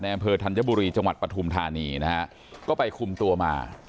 อำเภอธัญบุรีจังหวัดปฐุมธานีนะฮะก็ไปคุมตัวมา